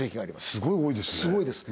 すごい多いですね